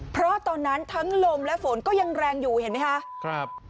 เพราะตอนนั้นทั้งลมและฝนก็ยังแรงอยู่เห็นไหมคะครับ